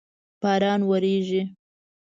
باران وریږی